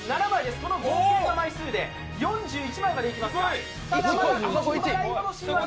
この合計の枚数で４１枚までいきます。